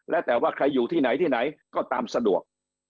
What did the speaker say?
แล้วแต่ว่าใครอยู่ที่ไหนที่ไหนก็ตามสะดวก